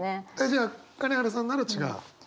じゃあ金原さんなら違う。